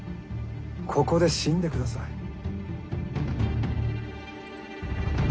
ここで死んでください。